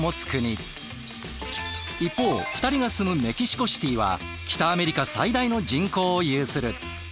一方２人が住むメキシコシティーは北アメリカ最大の人口を有する。